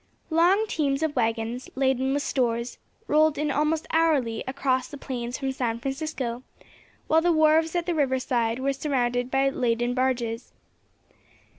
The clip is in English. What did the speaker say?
Long teams of waggons, laden with stores, rolled in almost hourly across the plains from San Francisco, while the wharves at the river side were surrounded by laden barges.